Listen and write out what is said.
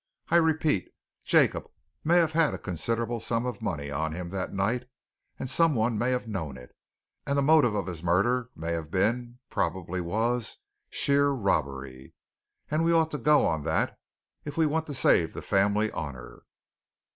I repeat Jacob may have had a considerable sum of money on him that night, some one may have known it, and the motive of his murder may have been probably was sheer robbery. And we ought to go on that, if we want to save the family honour."